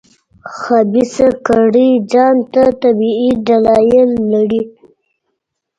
خبیثه کړۍ ځان ته طبیعي دلایل لري.